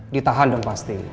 ditahan dong pasti